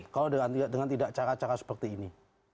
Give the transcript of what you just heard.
kalau dengan tidak cara cara seperti ini